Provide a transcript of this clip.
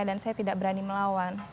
dan saya tidak berani melawan